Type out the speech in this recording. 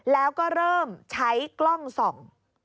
แล้วก็เริ่มใช้กล้องส่อง